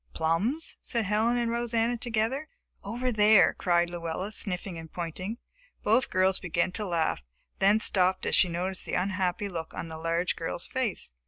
"Plums?" said Helen and Rosanna together. "Over there," cried Luella, sniffling and pointing. Both girls began to laugh, then stopped as they noticed the unhappy look on the large girl's face.